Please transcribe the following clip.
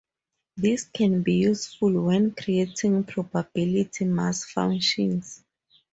This can be useful when creating probability mass functions.